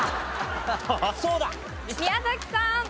宮崎さん。